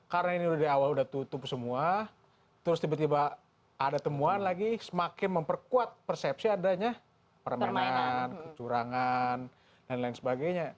karena ini udah di awal udah tutup semua terus tiba tiba ada temuan lagi semakin memperkuat persepsi adanya permainan kecurangan dan lain sebagainya